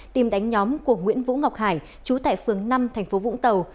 tìm đánh nhóm của nguyễn vũ ngọc hải chú tại phường năm thành phố vũng tàu